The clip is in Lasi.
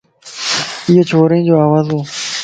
ايو چوڙين جو آواز ھو